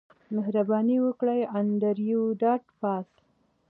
مهرباني وکړه انډریو ډاټ باس